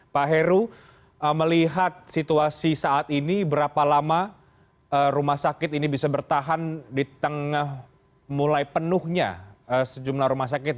pak heru melihat situasi saat ini berapa lama rumah sakit ini bisa bertahan di tengah mulai penuhnya sejumlah rumah sakit